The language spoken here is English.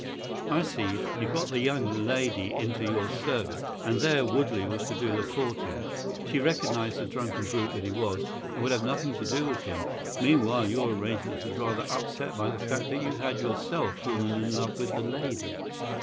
"I see. You got the young lady into your service, and there Woodley was to do the courting. She recognised the drunken brute that he was, and would have nothing to do with him. Meanwhile, your arrangement was rather upset by the fact that you had yourself fallen in love with the lady.